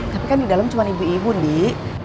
tapi kan di dalam cuma ibu ibu nih